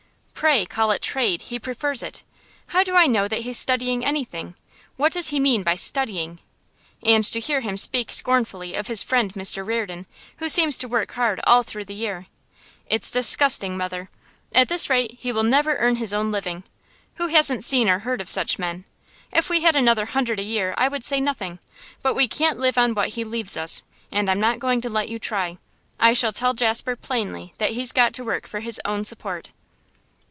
'Pray call it trade; he prefers it. How do I know that he's studying anything? What does he mean by "studying"? And to hear him speak scornfully of his friend Mr Reardon, who seems to work hard all through the year! It's disgusting, mother. At this rate he will never earn his own living. Who hasn't seen or heard of such men? If we had another hundred a year, I would say nothing. But we can't live on what he leaves us, and I'm not going to let you try. I shall tell Jasper plainly that he's got to work for his own support.